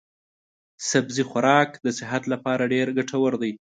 سبزي خوراک د صحت لپاره ډېر ګټور دی.